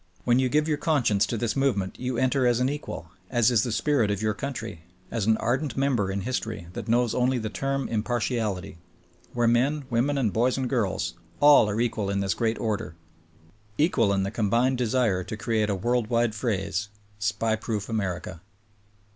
When you give your conscience to this movement you enter as an equal, as is the spirit of your country, as an ardent member in history that knows only the term impartiality ; where men, women and boys and girls — all are equal in this great order; equal in the combined desire to create a world wide phrase, SPY ,proof America.